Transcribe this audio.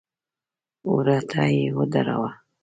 وره ته يې ودراوه.